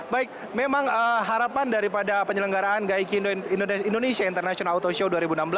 baik memang harapan daripada penyelenggaraan gaikin indonesia international auto show dua ribu enam belas